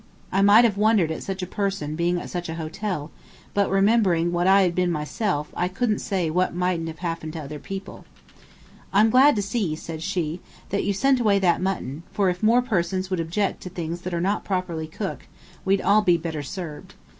I might have wondered at such a person being at such a hotel, but remembering what I had been myself I couldn't say what mightn't happen to other people. "I'm glad to see," said she, "that you sent away that mutton, for if more persons would object to things that are not properly cooked we'd all be better served.